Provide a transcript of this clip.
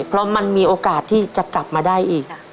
เพราะมันมีโอกาสที่จะกลับมาได้อีก